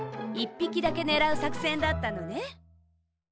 ぴきだけねらうさくせんだったのね。